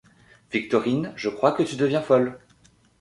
Victorine, je crois que tu deviens folle !